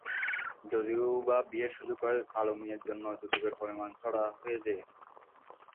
যদিওবা বিয়ের সুযোগ হয়, কালো মেয়ের জন্য যৌতুকের পরিমাণ চড়া হয়ে যায়।